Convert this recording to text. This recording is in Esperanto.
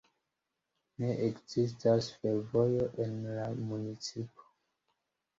Ne ekzistas fervojo en la municipo.